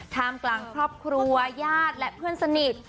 กลางครอบครัวญาติและเพื่อนสนิท